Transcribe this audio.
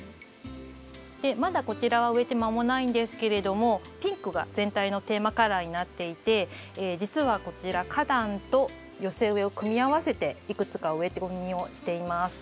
まだこちらは植えて間もないんですけれどもピンクが全体のテーマカラーになっていて実はこちら花壇と寄せ植えを組み合わせていくつか植え込みをしています。